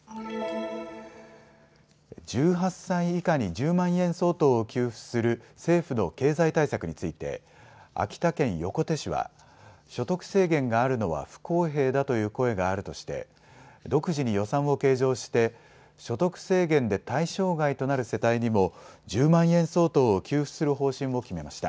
１８歳以下に１０万円相当を給付する政府の経済対策について秋田県横手市は所得制限があるのは不公平だという声があるとして独自に予算を計上して所得制限で対象外となる世帯にも１０万円相当を給付する方針を決めました。